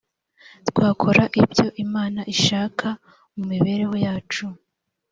twakora ibyo imana ishaka mu mibereho yacu